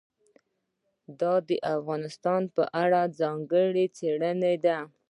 دا د افغانستان په اړه ځانګړې څېړنه ده.